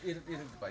ini ini ini pak